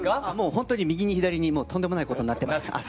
ほんとに右に左にもうとんでもないことになってます。